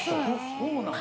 ・そうなん？